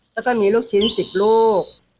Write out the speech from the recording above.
แล้วก็มีลูกชิ้น๑๐ลูก